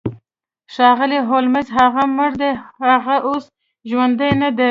ښاغلی هولمز هغه مړ دی هغه اوس ژوندی ندی